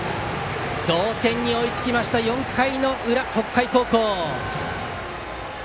同点に追いつきました４回の裏、北海高校。